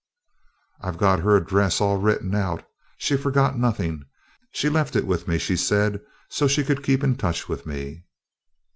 "I've got her address all written out. She forgot nothing. She left it with me, she said, so she could keep in touch with me."